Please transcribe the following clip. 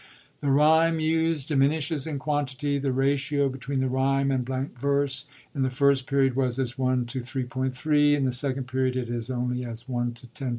The ryme used diminishes in quantity ; the ratio between the ryme and blank verse in the First Period was as 1 : 3*3 j in the Second Period it is only as 1 : 10*04.